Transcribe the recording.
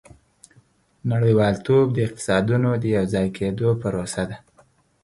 • نړیوالتوب د اقتصادونو د یوځای کېدو پروسه ده.